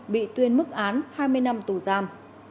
bị tuyên mức án hai mươi năm tù giam